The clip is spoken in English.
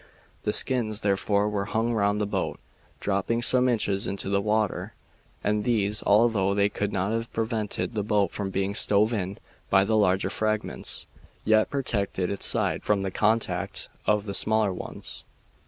The skins, therefore, were hung round the boat, dropping some inches into the water, and these, although they could not have prevented the boat from being stove in, by the larger fragments, yet protected its sides from the contact of the smaller ones.